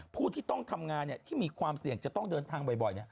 ผู้ที่ต้องทำงานที่มีความเสี่ยงจะต้องเดินทางบ่อย